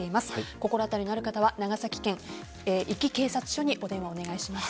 心当たりのある方は長崎県壱岐警察署にお電話をお願いします。